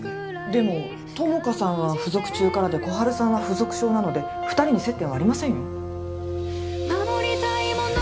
でも友果さんは附属中からで心春さんは附属小なので二人に接点はありませんよ